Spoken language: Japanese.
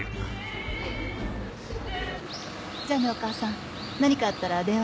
じゃあねお母さん何かあったら電話してね。